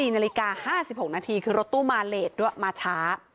๔นาฬิกา๕๖นาทีคือรถตู้มาเลสด้วยมาช้า